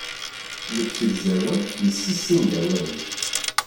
Deg usegzawal, nessissin-d awalen.